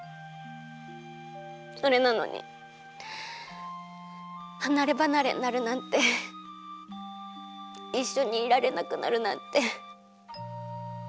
それなのにはなればなれになるなんていっしょにいられなくなるなんて。